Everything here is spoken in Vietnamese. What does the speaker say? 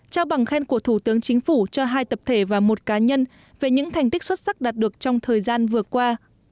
trao bằng khen của thủ tướng chính phủ cho hai tập thể và một cá nhân về những thành tích xuất sắc đạt được trong thời gian vừa qua